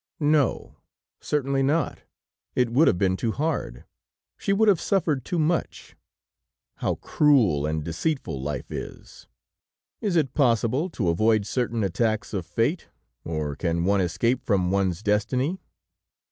No, certainly not; it would have been too hard; she would have suffered too much! How cruel and deceitful life is! Is it possible to avoid certain attacks of fate, or can one escape from one's destiny?